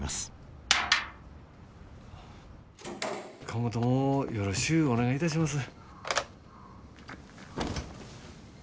今後ともよろしゅうお願いいたします。